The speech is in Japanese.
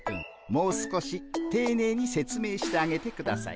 もう少していねいに説明してあげてください。